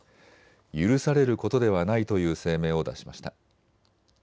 許されることではないという声明を出しました。